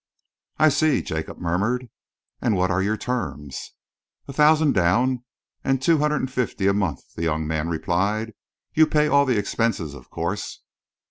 "I see," Jacob murmured. "And what are your terms?" "A thousand down, and two hundred and fifty a month," the young man replied. "You pay all the expenses, of course."